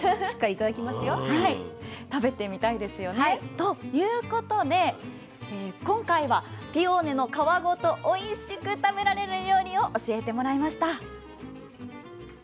ということで今回はピオーネの皮ごとおいしく食べられる料理を教えてもらいました。